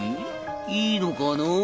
いいのかな？